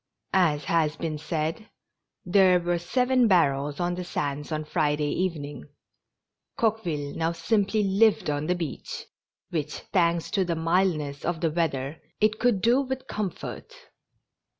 As has been said, there were seven barrels on the sands on Friday evening. Coqueville now simply lived on the beach, which, thanks to the mildness of the weather, it could do with comfort.